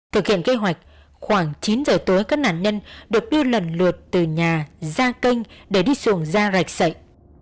thực hiện kế hoạch khoảng chín giờ tối các nạn nhân được đưa lần lượt từ nhà ra kênh để đi xuồng ra rạch sậy